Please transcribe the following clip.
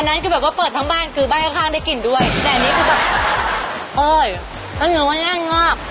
อันนั้นคือแบบว่าเปิดทั้งบ้านคือบ้านข้างได้กลิ่นด้วยแต่อันนี้ก็แบบเอ๊ยอันนี้มันงือไว้เล่นงาก